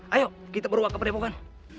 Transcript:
ayo kita berubah ke pendepokan